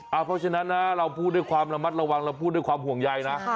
เพราะฉะนั้นนะเราพูดด้วยความระมัดระวังเราพูดด้วยความห่วงใยนะ